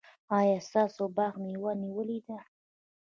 ایا ستاسو باغ مېوه نیولې ده؟